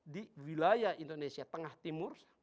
di wilayah indonesia tengah timur